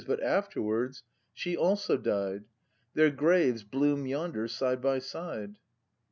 But afterwards she also died; Their graves bloom yonder side by side.